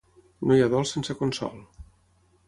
No hi ha dol sense consol.